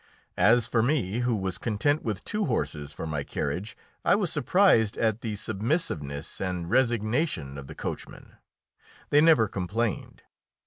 As for me, who was content with two horses for my carriage, I was surprised at the submissiveness and resignation of the coachmen. They never complained.